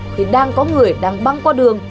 thì đang có người đang băng qua đường